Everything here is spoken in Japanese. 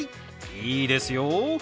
いいですよ。